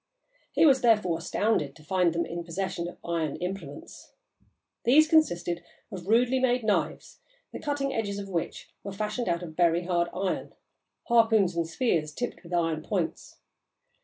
He was, therefore, astounded to find them in possession of iron implements. These consisted of rudely made knives, the cutting edges of which were fashioned out of very hard iron; harpoons and spears, tipped with iron points.